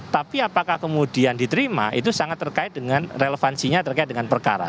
tapi apakah kemudian diterima itu sangat terkait dengan relevansinya terkait dengan perkara